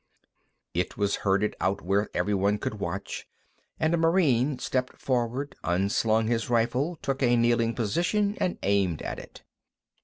It was herded out where everyone could watch, and a Marine stepped forward unslung his rifle took a kneeling position, and aimed at it.